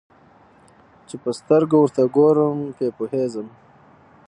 چي په سترګو ورته ګورم په پوهېږم